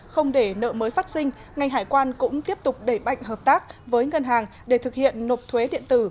không để nợ mới phát sinh ngành hải quan cũng tiếp tục đẩy mạnh hợp tác với ngân hàng để thực hiện nộp thuế điện tử